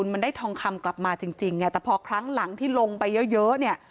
มันได้ทองคำกลับมาจริงไงแต่พอครั้งหลังที่ลงไปเยอะเยอะเนี่ย